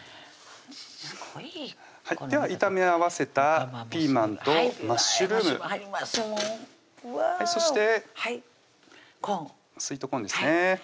すごいでは炒め合わせたピーマンとマッシュルームうわそしてコーンスイートコーンですね